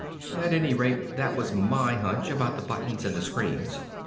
At any rate that was my hunch about the buttons and the screens.